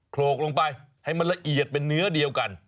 โขลกลงไปให้มันละเอียดเป็นเนื้อเดียวกัน